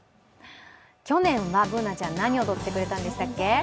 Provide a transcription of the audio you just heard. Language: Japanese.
去年はＢｏｏｎａちゃん、何を踊ってくれたんでしたっ？